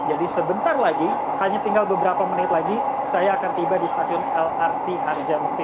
jadi sebentar lagi hanya tinggal beberapa menit lagi saya akan tiba di stasiun lrt harjamukti